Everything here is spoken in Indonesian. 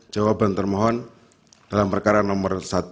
jawaban termohon dalam perkara nomor satu